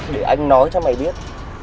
để anh nói cho mày biết